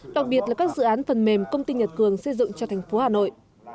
đặc biệt là các dự án phần mềm công ty nhật cường xây dựng cho thành phố hà nội